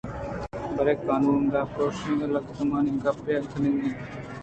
برے قانود ءِ پرٛوشگ ءُلگتمالی ءِ گپےکُتگ اَنت